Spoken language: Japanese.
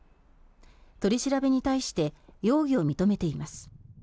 取り調べに対して容疑を認めています。